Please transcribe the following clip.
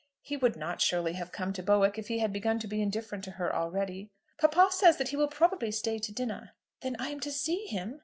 He would not surely have come to Bowick if he had begun to be indifferent to her already! "Papa says that he will probably stay to dinner." "Then I am to see him?"